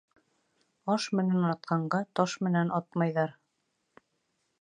Аш менән атҡанға Таш менән атмайҙар.